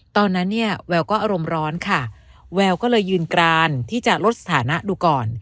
ตอนนั้นเนี่ยแววก็อารมณ์ร้อนค่ะแววก็เลยยืนกรานที่จะลดสถานะดูก่อน